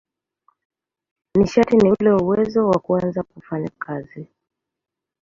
Nishati ni ule uwezo wa kuweza kufanya kazi.